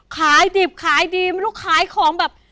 ขายดิบขายดีไม่รู้ขายของแบบ